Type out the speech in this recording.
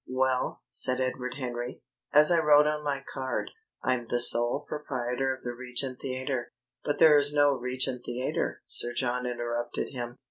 "Well," said Edward Henry, "as I wrote on my card, I'm the sole proprietor of the Regent Theatre " "But there is no Regent Theatre," Sir John interrupted him.